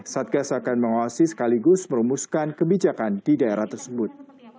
satgas akan menguasai sekaligus merumuskan kebijakan di daerah tersebut